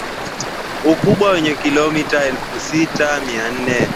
ukubwa wenye kilometa elfusita mia nne